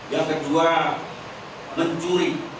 yang kedua mencuri